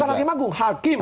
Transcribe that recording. bukan hakim agung hakim